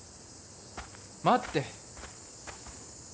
待って！